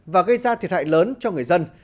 và gây ra thiệt hại lớn cho người dân